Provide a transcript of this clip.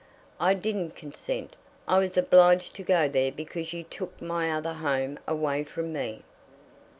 "I didn't consent. I was obliged to go there because you took my other home away from me."